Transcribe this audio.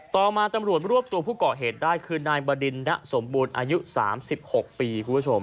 ต่อมาจำลวชจะรวบตัวผู้เกาะเหตุได้คือนายบดิณนะสมบูรณ์อายุ๓๖ปี